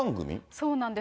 そうなんです。